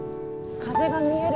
風が見える。